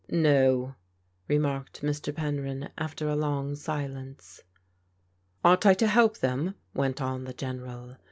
" No," remarked Mr. Penryn after a long silence. "Ought I to help them?" went on the General.